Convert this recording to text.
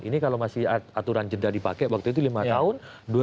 ini kalau masih aturan jeda dipakai waktu itu lima tahun